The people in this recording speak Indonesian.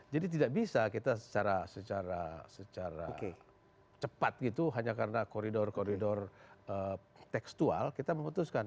jadi tidak bisa kita secara cepat gitu hanya karena koridor koridor tekstual kita memutuskan